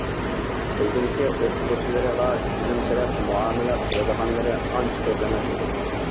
بىلدىمكى، ئوقۇغۇچىلىرىغا كۈلۈمسىرەپ مۇئامىلە قىلىدىغانلىرى ئانچە كۆپ ئەمەس ئىدى!